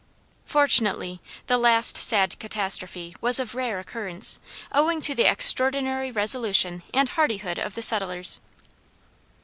Fortunately the last sad catastrophe was of rare occurrence, owing to the extraordinary resolution and hardihood of the settlers.